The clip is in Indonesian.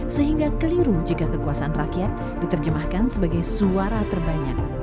sehingga keliru jika kekuasaan rakyat diterjemahkan sebagai suara terbanyak